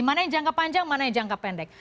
mana yang jangka panjang mana yang jangka pendek